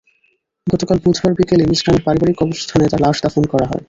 গতকাল বুধবার বিকেলে নিজ গ্রামের পারিবারিক কবরস্থানে তাঁর লাশ দাফন করা হয়।